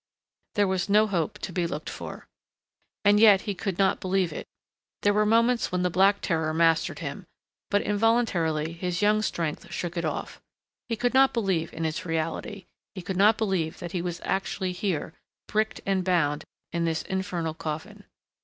There was no hope to be looked for. And yet he could not believe it. There were moments when the black terror mastered him, but involuntarily his young strength shook it off. He could not believe in its reality. He could not believe that he was actually here, bricked and bound, in this infernal coffin....